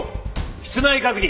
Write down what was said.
室内確認。